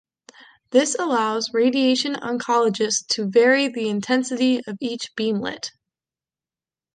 This allows radiation oncologists to vary the intensity of each beamlet.